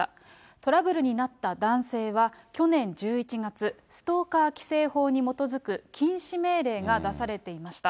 トラブルになった男性は、去年１１月、ストーカー規制法に基づく禁止命令が出されていました。